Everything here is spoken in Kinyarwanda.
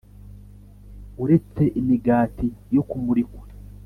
Uretse Imigati Yo Kumurikwa